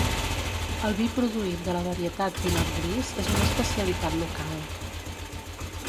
El vi produït de la varietat pinot gris és una especialitat local.